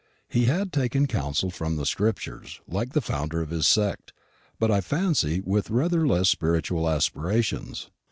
He had taken counsel from the Scriptures, like the founder of his sect; but I fancy with rather less spiritual aspirations.